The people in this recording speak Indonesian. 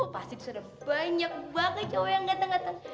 pasti bisa ada banyak banget cowok yang gateng gateng